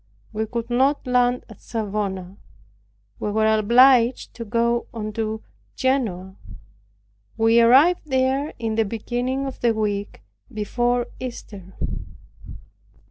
We could not land at Savona. We were obliged to go on to Genoa. We arrived there in the beginning of the week before Easter.